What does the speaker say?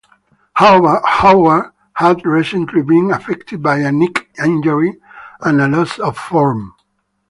Howard had recently been affected by a knee injury and a loss of form.